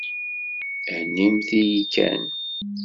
Hennimt-yi kan.